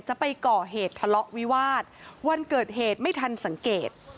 จะไปก่อเหตุทะเลาะวิวาสวันเกิดเหตุไม่ทันสังเกต